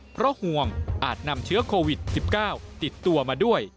เพราะห่วงอาจนำเชื้อโควิด๑๙ติดตัวมาด้วย